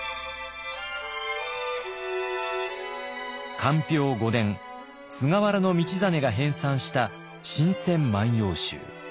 寛平五年菅原道真が編さんした「新撰万葉集」。